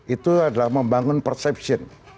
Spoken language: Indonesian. itu adalah membangun persepsi